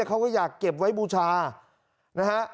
เขาก็อยากเก็บไว้บูชานะฮะ